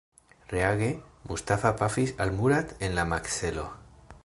Reage, Mustafa pafis al Murat en la makzelo.